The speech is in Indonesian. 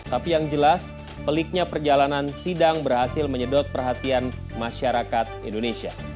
tapi yang jelas peliknya perjalanan sidang berhasil menyedot perhatian masyarakat indonesia